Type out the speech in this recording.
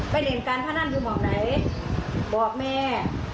ไปเล่มการพระนั้นดูมองไหนบอกแม่